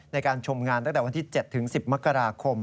ในการชมงานตั้งแต่วันที่๗๑๐มกราคม